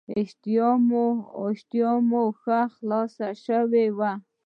اشتها به مو هم ښه خلاصه شوې وي.